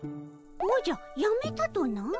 おじゃやめたとな？